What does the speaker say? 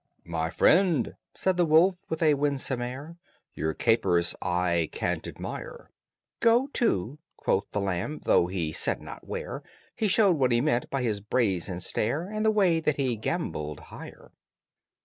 "My friend," said the wolf, with a winsome air, "Your capers I can't admire." "Go to!" quoth the lamb. (Though he said not where, He showed what he meant by his brazen stare And the way that he gambolled higher.)